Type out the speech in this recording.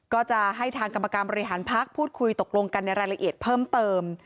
ก็จะให้ทางกรรมการบริหารพักพูดคุยตกลงกันในรายละเอียดเพิ่มเติม